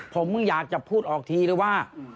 ผมอยากจะพูดออกทีเลยว่า